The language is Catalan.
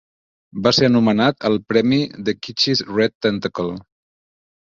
Va ser nomenat al premi The Kitschies Red Tentacle.